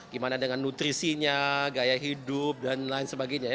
gimana dengan nutrisinya gaya hidup dan lain sebagainya